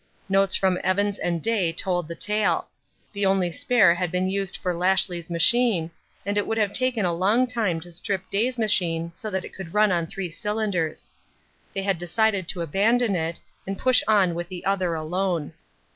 Notes from Evans and Day told the tale. The only spare had been used for Lashly's machine, and it would have taken a long time to strip Day's engine so that it could run on three cylinders. They had decided to abandon it and push on with the other alone.